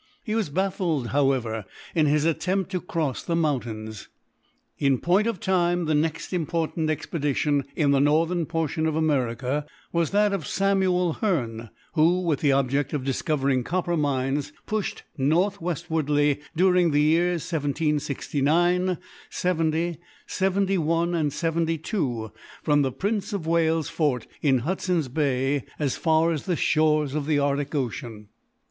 He was baffled, however, in his attempt to cross the mountains. In point of time, the next important expedition, in the northern portion of America, was that of Samuel Hearne, who, with the object of discovering copper mines, pushed north westwardly during the years 1769, '70, '71, and '72, from the Prince of Wales' Fort, in Hudson's bay, as far as the shores of the Arctic ocean.